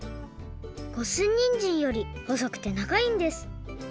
五寸にんじんよりほそくてながいんです。